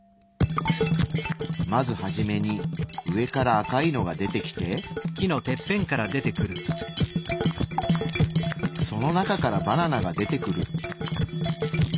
まずはじめに上から赤いのが出てきてその中からバナナが出てくる。